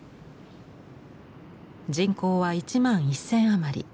人口は１万１，０００余り。